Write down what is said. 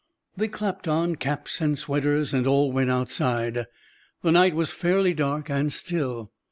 They clapped on caps and sweaters, and all went outside. The night was fairly dark, and still.